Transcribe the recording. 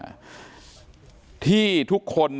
ที่โพสต์ก็คือเพื่อต้องการจะเตือนเพื่อนผู้หญิงในเฟซบุ๊คเท่านั้นค่ะ